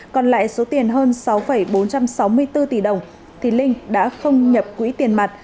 còn lại số tiền hơn sáu bốn trăm sáu mươi bốn tỷ đồng thì linh đã không nhập quỹ tiền mặt